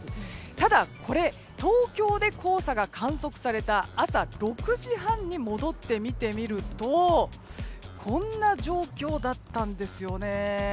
ただこれ、東京で黄砂が観測された朝６時半に戻って見てみるとこんな状況だったんですよね。